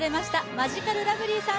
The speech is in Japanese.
マヂカルラブリーさん